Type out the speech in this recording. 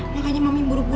makanya mami buru buru